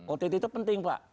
ott itu penting pak